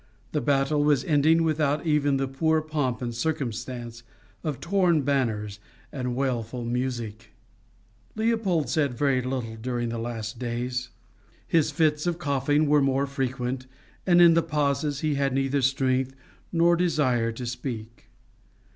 The battle was ending without even the poor pomp and circumstance of torn banners and wailful music. Leopold said very little during the last few days. His fits, of coughing were more frequent, and in the pauses he had neither strength nor desire to speak.